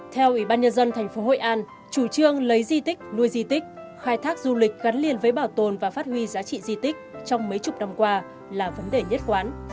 theo ủy ban nhân dân tp hội an chủ trương lấy di tích nuôi di tích khai thác du lịch gắn liền với bảo tồn và phát huy giá trị di tích trong mấy chục năm qua là vấn đề nhất quán